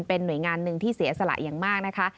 เป็นหน่วยงานหนึ่งที่เสียสละอย่างมากนะคะ